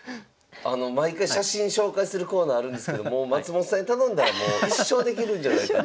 毎回写真紹介するコーナーあるんですけど松本さんに頼んだらもう一生できるんじゃないか。